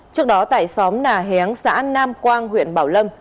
trước đó tại xóm nà héng xã nam quang huyện bảo lâm